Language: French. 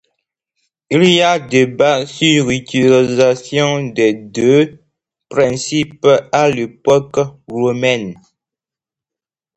Il y a débat sur l’utilisation des deux principes à l'époque romaine.